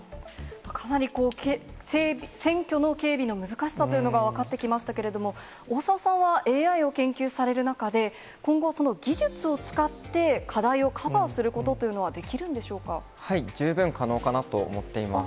かなり選挙の警備の難しさというのが分かってきましたけれども、大澤さんはＡＩを研究される中で、今後、その技術を使って課題をカバーすることというのは、十分可能かなと思っています。